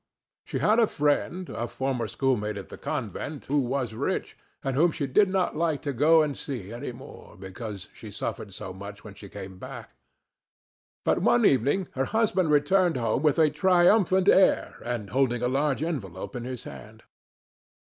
She had a friend, a former schoolmate at the convent, who was rich, and whom she did not like to go and see any more, because she suffered so much when she came back. But, one evening, her husband returned home with a triumphant air, and holding a large envelope in his hand.